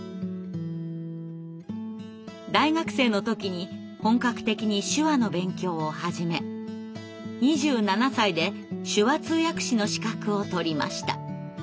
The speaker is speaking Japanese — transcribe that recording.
大学生の時に本格的に手話の勉強を始め２７歳で手話通訳士の資格を取りました。